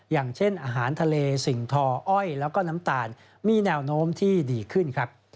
อย่างเช่นอาหารทะเลสิ่งทออ้อยแล้วก็น้ำตาลมีแนวโน้มที่ดีขึ้นครับ